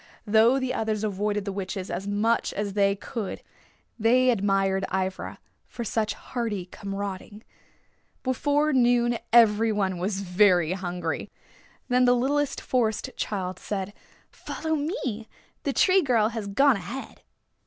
Though the others avoided the witches as much as they could they admired Ivra for such hardy comrading. Before noon every one was very hungry. Then the littlest Forest Child said, "Follow me. The Tree Girl has gone ahead."